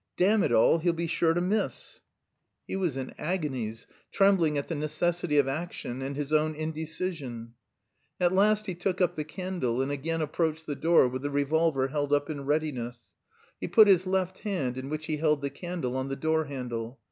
Damn it all, he'll be sure to miss!" He was in agonies, trembling at the necessity of action and his own indecision. At last he took up the candle and again approached the door with the revolver held up in readiness; he put his left hand, in which he held the candle, on the doorhandle.